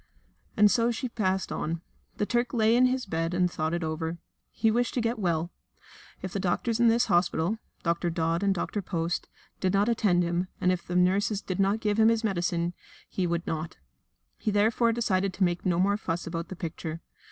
And so she passed on. The Turk lay in his bed and thought it over. He wished to get well. If the doctors in this hospital Dr. Dodd and Dr. Post did not attend him, and if the nurses did not give him his medicine, he would not. He therefore decided to make no more fuss about the picture.